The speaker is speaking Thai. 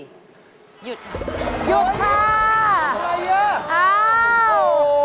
หยุดค่ะอ้าวโอ้โฮ